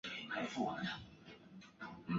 场边吉祥物为大义与唐基。